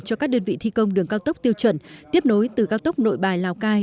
cho các đơn vị thi công đường cao tốc tiêu chuẩn tiếp nối từ cao tốc nội bài lào cai